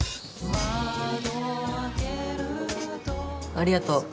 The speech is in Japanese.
ありがとう。